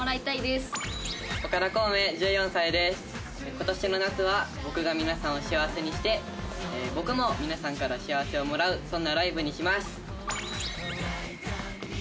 今年の夏は僕が皆さんを幸せにして僕も皆さんから幸せをもらうそんなライブにします。